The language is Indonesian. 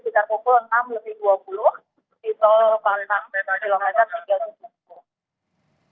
yang seperti terjadi sekitar pukul enam dua puluh di tol pariwisata kilometer tiga puluh tiga